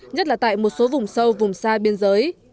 nhất là tại một số vùng sâu vùng xa biên giới